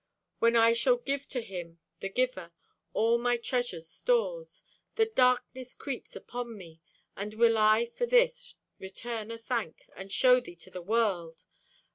When I shall give to Him, the giver, All my treasure's stores, and darkness creeps upon me, Then will I for this return a thank, And show thee to the world.